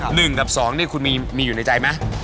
หนึ่งกับสองเนี่ยคุณมีอยู่ในใจไหม